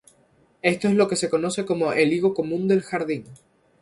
Esto es lo que se conoce como el higo común del jardín..